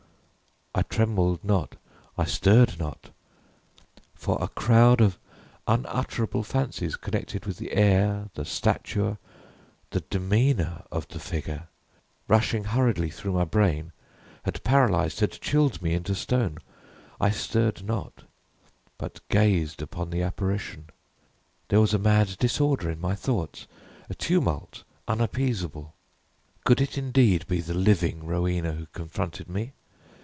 I trembled not I stirred not for a crowd of unutterable fancies connected with the air, the stature, the demeanor, of the figure, rushing hurriedly through my brain, had paralyzed had chilled me into stone. I stirred not but gazed upon the apparition. There was a mad disorder in my thoughts a tumult unappeasable. Could it, indeed, be the living Rowena who confronted me?